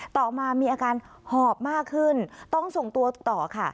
ต่อมามีอาการหอบมากขึ้นต้องส่งตัวต่อค่ะ